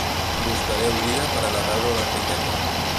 Buscaré un dia per anar a veure l'Enriqueta